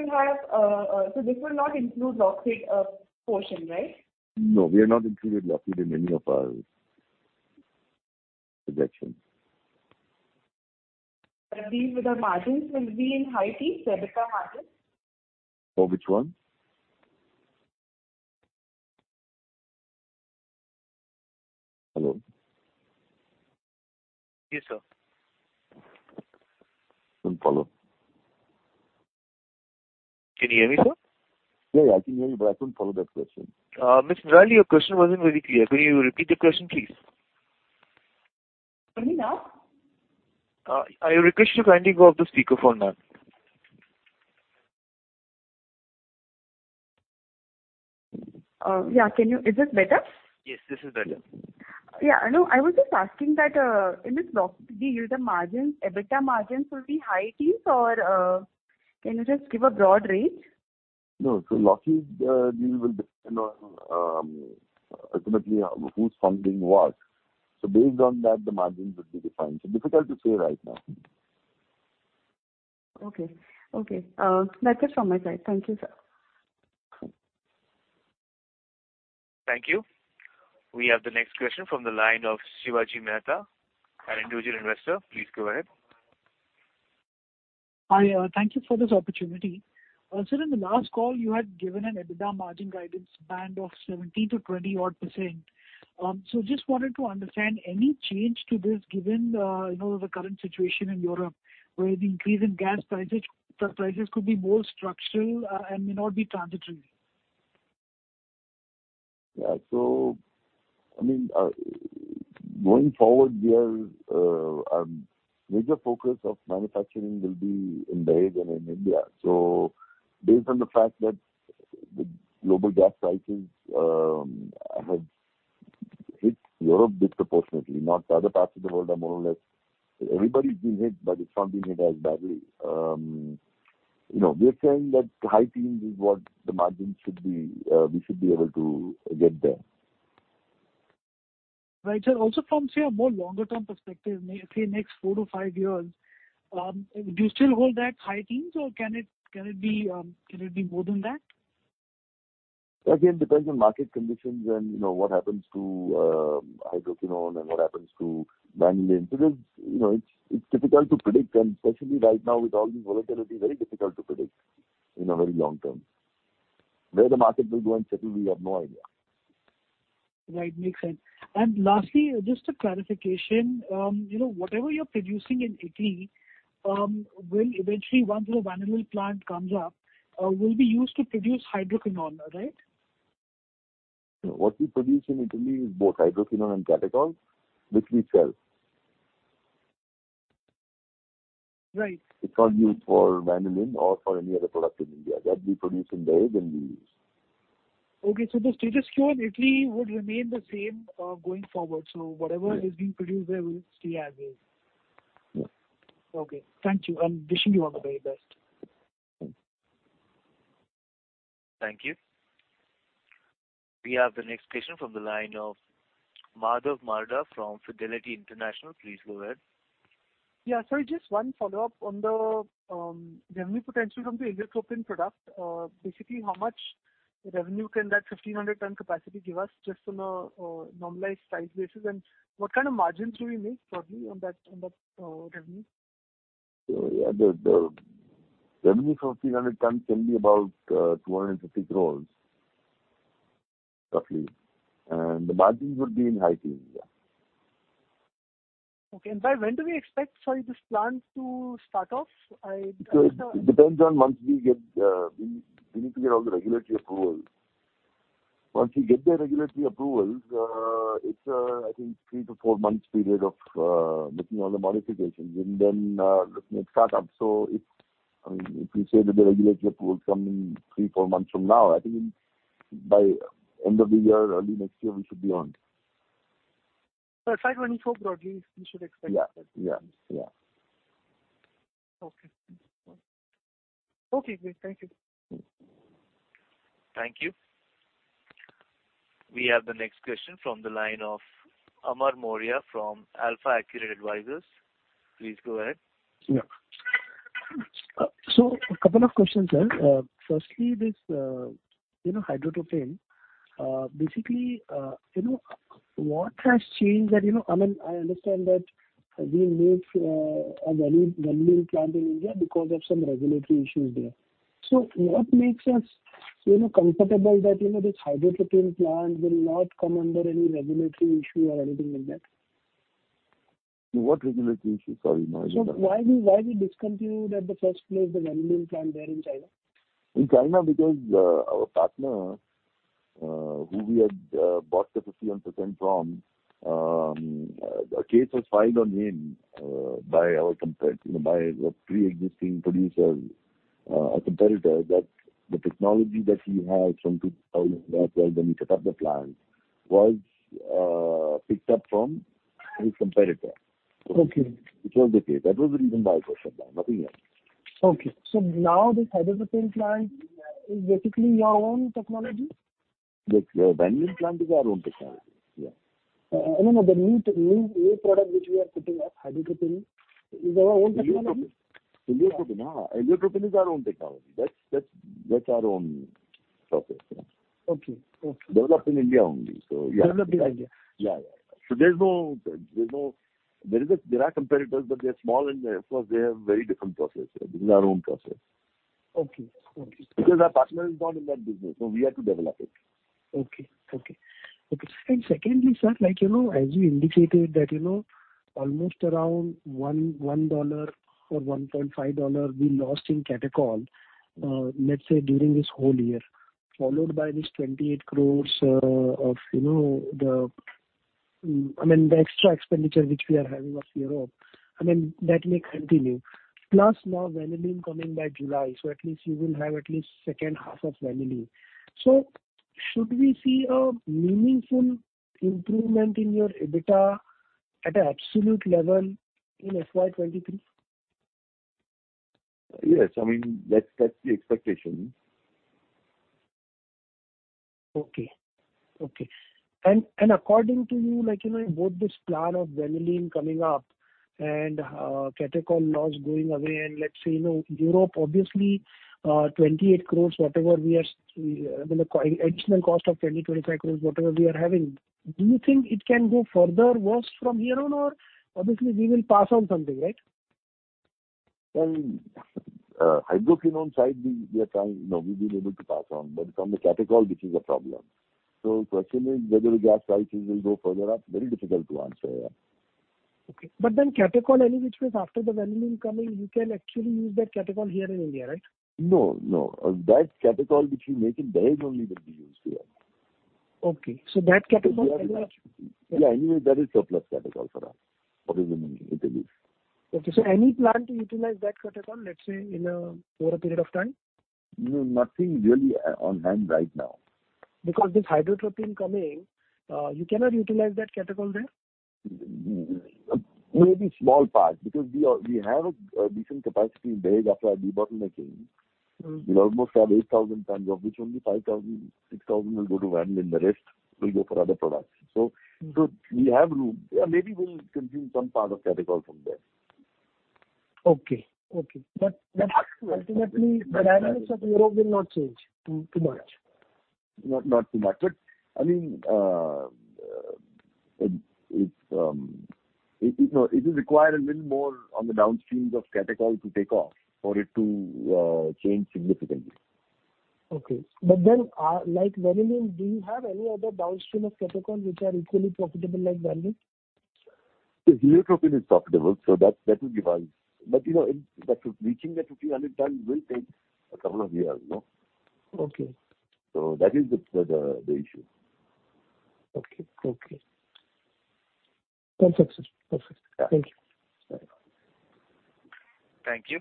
not include Lockheed portion, right? No, we have not included Lockheed in any of our projections. These were the margins? Will be in high teens%, EBITDA margins? For which one? Hello? Yes, sir. Didn't follow. Can you hear me, sir? Yeah, I can hear you, but I couldn't follow that question. Miss Gopani, your question wasn't very clear. Can you repeat the question, please? Can you hear me now? I request you to kindly go off the speakerphone now. Yeah. Is this better? Yes, this is better. Yeah. No, I was just asking that, in this Lockhead deal, the margins, EBITDA margins will be high teens or can you just give a broad range? No. Lockhead deal will depend on, ultimately, who's funding what. Difficult to say right now. Okay. That's it from my side. Thank you, sir. Thank you. We have the next question from the line of Shivaji Mehta, an individual investor. Please go ahead. Hi. Thank you for this opportunity. Sir, in the last call you had given an EBITDA margin guidance band of 17%-20-odd%. Just wanted to understand any change to this given the, you know, the current situation in Europe where the increase in gas prices could be more structural, and may not be transitory. Yeah. I mean, going forward, our major focus of manufacturing will be in Belgium and India. Based on the fact that the global gas prices have hit Europe disproportionately. Everybody's been hit, but it's not been hit as badly. You know, we are saying that high teens is what the margins should be. We should be able to get there. Right. Sir, also from, say, a more longer term perspective, say next 4-5 years, do you still hold that high teens, or can it be more than that? Again, depends on market conditions and, you know, what happens to hydroquinone and what happens to vanillin. Because, you know, it's difficult to predict, and especially right now with all this volatility, very difficult to predict in a very long term. Where the market will go and settle, we have no idea. Right. Makes sense. Lastly, just a clarification. You know, whatever you're producing in Italy, will eventually, once your vanillin plant comes up, will be used to produce hydroquinone, right? No. What we produce in Italy is both hydroquinone and catechol, which we sell. Right. It's not used for vanillin or for any other product in India. That we produce in Belgium, we use. Okay, the status quo in Italy would remain the same, going forward. Whatever Yes. Is being produced there, will stay as is. Yeah. Okay. Thank you. I'm wishing you all the very best. Thank you. We have the next question from the line of Madhav Marda from Fidelity International. Please go ahead. Yeah. Sorry, just one follow-up on the revenue potential from the Heliotropin product. Basically how much revenue can that 1,500-ton capacity give us just on a normalized size basis? What kind of margins should we make probably on that revenue? Yeah, the revenue from 1,500 tons can be about 250 crores, roughly. The margins would be in high teens%. Okay. Sir, when do we expect, sorry, this plant to start off? I understand. It depends on once we get we need to get all the regulatory approvals. Once we get the regulatory approvals, it's I think 3-4 months period of making all the modifications and then the start up. It's I mean, if you say that the regulatory approvals come in 3-4 months from now, I think by end of the year, early next year, we should be on. FY24 broadly, we should expect that. Yeah. Yeah. Yeah. Okay. Okay, great. Thank you. Mm-hmm. Thank you. We have the next question from the line of Amar Mourya from ALF Accurate Advisors. Please go ahead. Yeah. A couple of questions, sir. Firstly, this, you know, Heliotropin, basically, you know, what has changed that, you know. I mean, I understand that we moved a vanillin plant in India because of some regulatory issues there. What makes us, you know, comfortable that, you know, this Heliotropin plant will not come under any regulatory issue or anything like that? What regulatory issue? Sorry, no, I don't know. Why we discontinued in the first place the vanillin plant there in China? In China because our partner who we had bought the 51 percent from a case was filed on him by a preexisting producer, you know, a competitor, that the technology that he had from 2012 when we set up the plant was picked up from his competitor. Okay. Which was the case. That was the reason why it was shut down. Nothing else. Okay. Now this Heliotropin plant is basically your own technology? The vanillin plant is our own technology, yeah. No, no. The new product which we are putting up, Heliotropin, is our own technology? Heliotropin is our own technology. That's our own process, yeah. Okay. Okay. Developed in India only. Yeah. Developed in India. Yeah. There are competitors, but they're small and plus they have very different process. Yeah. This is our own process. Okay. Because our partner is not in that business, so we had to develop it. Secondly, sir, like, you know, as you indicated that, you know, almost around $1 or $1.5 we lost in catechol, let's say during this whole year, followed by this 28 crore, you know, I mean, the extra expenditure which we are having in Europe, I mean, that may continue. Now vanillin coming by July, so at least you will have at least second half of vanillin. Should we see a meaningful improvement in your EBITDA at a absolute level in FY23? Yes. I mean, that's the expectation. According to you, like, you know, both this plant of vanillin coming up and catechol loss going away and let's say, you know, Europe obviously, 28 crore, whatever we are, I mean, the additional cost of 20 crore-25 crore, whatever we are having, do you think it can go further worse from here on, or obviously we will pass on something, right? Well, hydroquinone side, we are trying, you know, we've been able to pass on, but from the catechol, which is a problem. The question is whether the gas prices will go further up. Very difficult to answer, yeah. Okay. Catechol anyways, because after the vanillin coming, you can actually use that Catechol here in India, right? No, no. That Catechol which we make in Dahej only will be used here. Okay. That catechol. Yeah. Anyway, that is surplus Catechol for us. What is in Italy? Any plan to utilize that Catechol, let's say over a period of time? No, nothing really on hand right now. This Heliotropin coming, you cannot utilize that Catechol there? Maybe small parts, because we have a decent capacity in Dahej after our debottlenecking. Mm. We almost have 8,000 tons, of which only 5,000-6,000 will go to vanillin. The rest will go for other products. Mm. We have room. Yeah, maybe we'll consume some part of Catechol from there. Okay. Ultimately the dynamics of Europe will not change too much. Not too much. I mean, it is. No. It will require a little more on the downstream of catechol to take off for it to change significantly. Okay. like vanillin, do you have any other downstream of catechol which are equally profitable like vanillin? Heliotropin is profitable, so that will give us. Reaching that 1,500 tons will take a couple of years, no? Okay. That is the issue. Okay. Sounds okay, sir. Perfect. Yeah. Thank you. Bye. Thank you.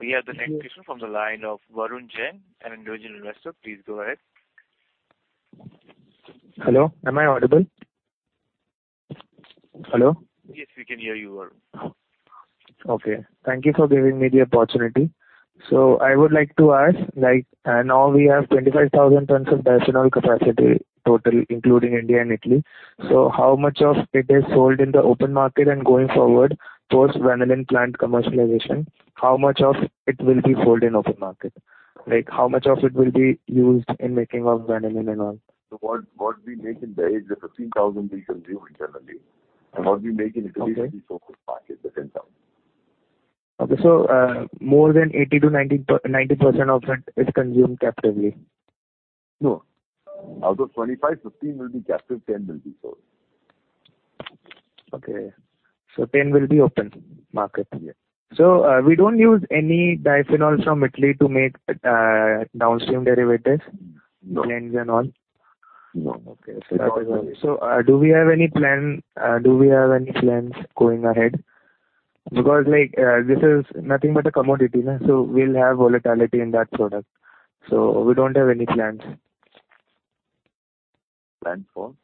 We have the next question from the line of Varun Jain, an individual investor. Please go ahead. Hello, am I audible? Hello? Yes, we can hear you well. Okay. Thank you for giving me the opportunity. I would like to ask, like, now we have 25,000 tons of diphenol capacity total, including India and Italy. How much of it is sold in the open market and going forward towards vanillin plant commercialization, how much of it will be sold in open market? Like, how much of it will be used in making of vanillin and all? What we make in Dahej, the 15,000 we consume internally. What we make in Italy will be sold to the market, the 10,000. More than 80%-90% of it is consumed captively. No. Out of 25, 15 will be captive, 10 will be sold. Okay. 10 will be open market. Yes. We don't use any diphenol from Italy to make downstream derivatives. No. Blends and all? No. Okay. Do we have any plans going ahead? Because, like, this is nothing but a commodity, so we'll have volatility in that product. We don't have any plans. Plans for?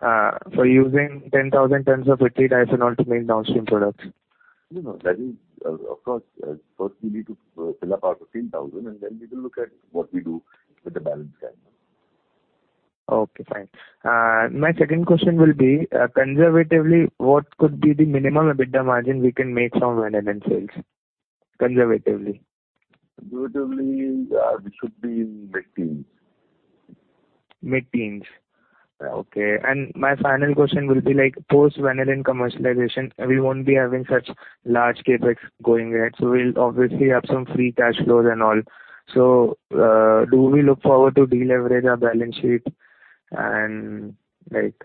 For using 10,000 tons of annual diphenol to make downstream products. No, no. That is, of course, first we need to fill up our 15,000, and then we will look at what we do with the balance 10. Okay, fine. My second question will be, conservatively what could be the minimum EBITDA margin we can make from vanillin sales? Conservatively. Conservatively, it should be in mid-teens. Mid-teens. Okay. My final question will be like, post vanillin commercialization, we won't be having such large CapEx going ahead, so we'll obviously have some free cash flows and all. Do we look forward to deleverage our balance sheet and, like,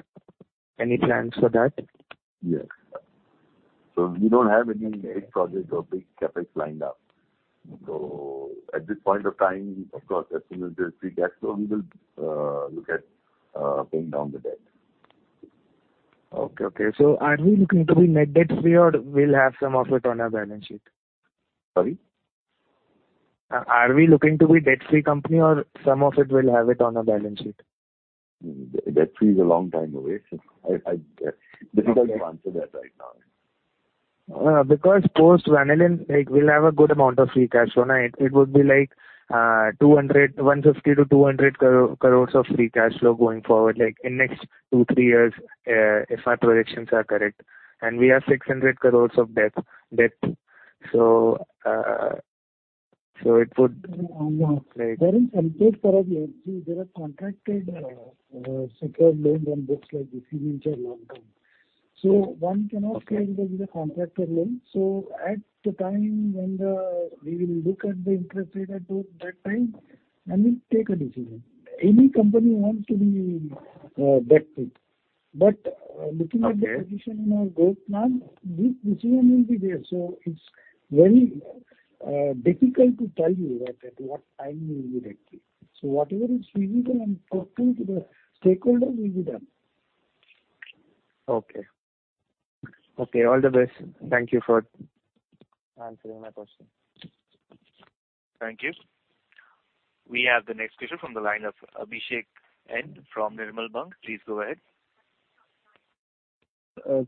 any plans for that? Yes. We don't have any big project or big CapEx lined up. At this point of time, of course, as soon as there's free cash flow, we will look at paying down the debt. Okay. Are we looking to be net debt free or we'll have some of it on our balance sheet? Sorry? Are we looking to be debt free company or some of it we'll have it on our balance sheet? Debt-free is a long time away. Difficult to answer that right now. Because post vanillin, like, we'll have a good amount of free cash flow. It would be like, 150-200 crores of free cash flow going forward, like in next 2, 3 years, if our projections are correct. We have 600 crores of debt. So it would- Sir, on the beverages and pet food legacy, there are contracted, secured loans on books like ECB, which are long-term. One cannot say it will be the contracted loan. We will look at the interest rate at that time and we'll take a decision. Any company wants to be debt free. Looking at the position in our growth plan, this decision will be there. It's very difficult to tell you that at what time we'll be debt free. Whatever is feasible and talking to the stakeholder will be done. Okay, all the best. Thank you for answering my question. Thank you. We have the next question from the line of Abhishek N from Nirmal Bang. Please go ahead.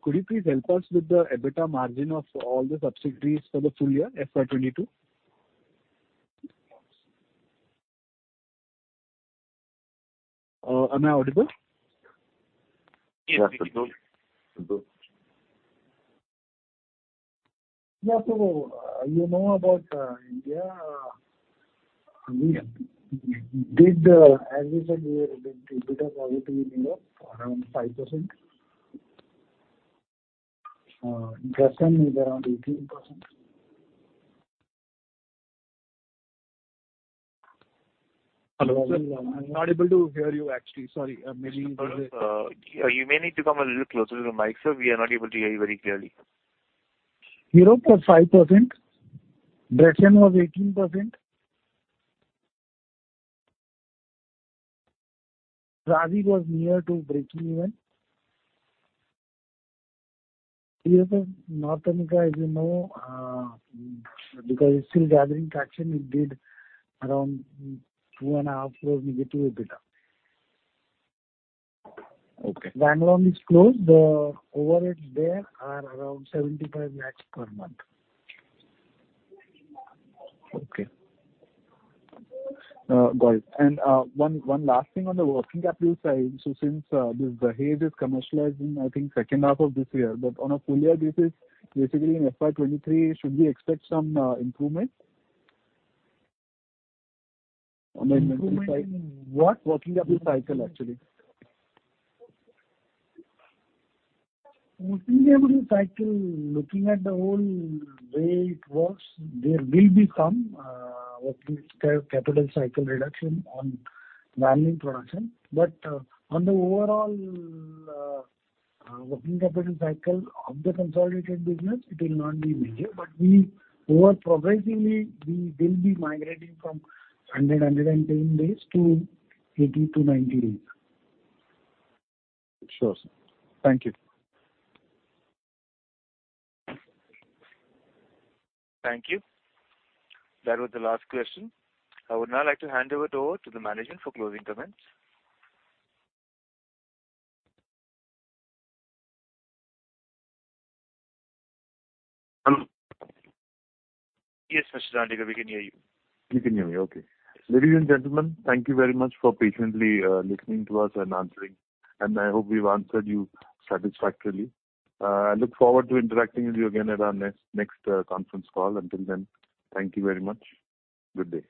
Could you please help us with the EBITDA margin of all the subsidiaries for the full year, FY22? Am I audible? Yes. Yeah. You know about India. We did, as we said, we did the EBITDA positively in Europe around 5%. Dresen is around 18%. Hello, sir. I'm not able to hear you actually. Sorry. Maybe Sir, you may need to come a little closer to the mic, sir. We are not able to hear you very clearly. Europe was 5%. Dresen was 18%. Brazil was near to breakeven. Here the North America, as you know, because it's still gathering traction, it did around 2.5 crore negative EBITDA. Okay. Bengaluru is closed. The overheads there are around 75 lakh per month. Okay. Got it. One last thing on the working capital side. Since this Behaves is commercializing, I think second half of this year but on a full year basis, basically in FY23, should we expect some improvement? Improvement in what? Working capital cycle, actually. Working capital cycle, looking at the whole way it works, there will be some working capital cycle reduction on vanillin production. On the overall working capital cycle of the consolidated business, it will not be major. We over progressively, we will be migrating from 110 days to 80-90 days. Sure, sir. Thank you. Thank you. That was the last question. I would now like to hand over to the management for closing comments. Hello. Yes, Mr. Nirmal Momaya, we can hear you. You can hear me? Okay. Ladies and gentlemen, thank you very much for patiently listening to us and answering, and I hope we've answered you satisfactorily. I look forward to interacting with you again at our next conference call. Until then, thank you very much. Good day.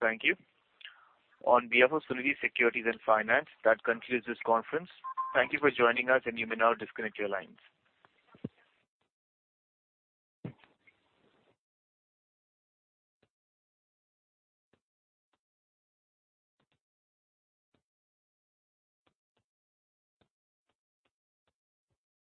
Thank you. On behalf of Sunidhi Securities and Finance, that concludes this conference. Thank you for joining us, and you may now disconnect your lines.